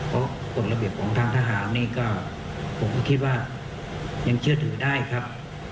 เพราะกฎระเบียบของทางทหารนี่ก็ผมก็คิดว่ายังเชื่อถือได้ครับ